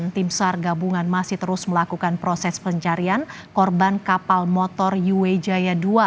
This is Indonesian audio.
tim sar gabungan masih terus melakukan proses pencarian korban kapal motor yuwe jaya dua